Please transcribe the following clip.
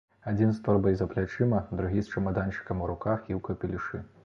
Адзін з торбай за плячыма, другі з чамаданчыкам у руках і ў капелюшы.